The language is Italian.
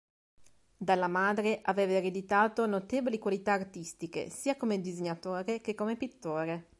Dalla madre aveva ereditato notevoli qualità artistiche, sia come disegnatore che come pittore.